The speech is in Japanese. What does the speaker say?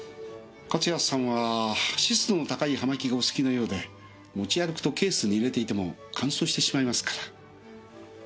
勝谷さんは湿度の高い葉巻がお好きのようで持ち歩くとケースに入れていても乾燥してしまいますから。